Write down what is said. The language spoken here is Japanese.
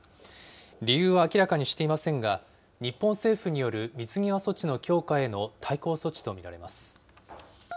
理由は明らかにしていませんが、日本政府による水際措置の強化への対抗措置と見られます。